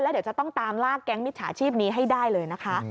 เดี๋ยวจะต้องตามลากแก๊งมิจฉาชีพนี้ให้ได้เลยนะคะ